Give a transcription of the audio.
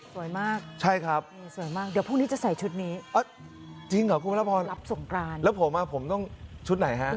สวยมากสวยมากเดี๋ยวพรุ่งนี้จะใส่ชุดนี้รับสงกรานแล้วผมอะผมต้องชุดไหนฮะ